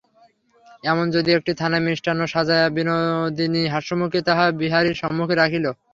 এমন সময় একটি থালায় মিষ্টান্ন সাজাইয়া বিনোদিনী হাস্যমুখে তাহা বিহারীর সম্মুখে রাখিল।